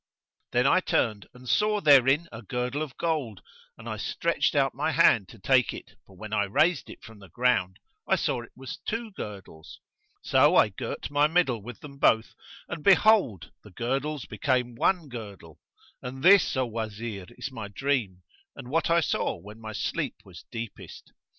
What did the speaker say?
Then I turned and saw therein a girdle of gold and I stretched out my hand to take it; but when I raised it from the ground, I saw it was two girdles. So I girt my middle with them both and behold, the girdles became one girdle; and this, O Wazir, is my dream and what I saw when my sleep was deepest."